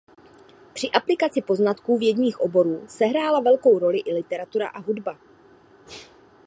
Při aplikaci poznatků vědních oborů sehrála velkou roli i literatura a hudba.